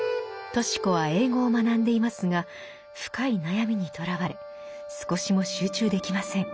とし子は英語を学んでいますが深い悩みにとらわれ少しも集中できません。